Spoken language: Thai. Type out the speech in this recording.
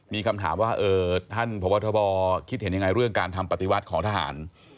มีคำถามว่าท่านพบทบคิดเห็นยังไงเรื่องการทำปฏิวัติของทหาร